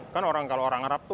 kan kalau orang arab tuh